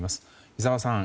井澤さん